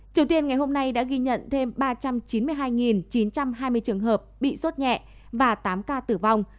triều tiên ngày hôm nay đã ghi nhận thêm ba trăm chín mươi hai chín trăm hai mươi trường hợp bị sốt nhẹ và tám ca tử vong